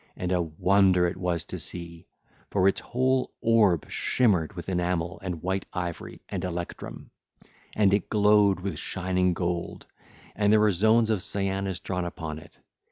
And a wonder it was to see; for its whole orb was a shimmer with enamel and white ivory and electrum, and it glowed with shining gold; and there were zones of cyanus 1802 drawn upon it.